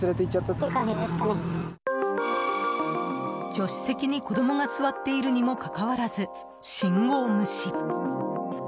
助手席に子供が座っているにもかかわらず信号無視。